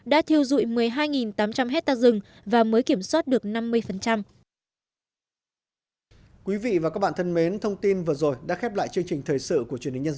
đã thiêu dụi một mươi hai tám trăm linh hectare rừng và mới kiểm soát được năm mươi